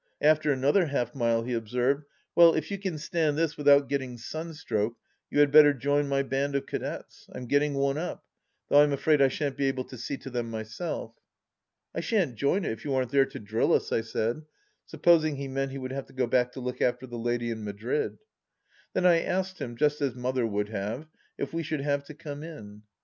After another half mile he observed : "Well, if you can stand this without getting sunstroke you had better join my band of Cadets. I'm getting one up — ^though I'm afraid I shan't be able to see to them my self." " I shan't join it if you aren't there to drill us 1 " I said, supposing he meant he would have to go back to look after the lady in Madrid. Then I asked him, just as Mother would have, if we should have to " come in